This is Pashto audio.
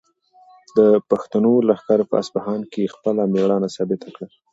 د پښتنو لښکر په اصفهان کې خپله مېړانه ثابته کړه.